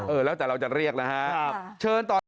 เออแล้วแต่เราจะเรียกนะครับ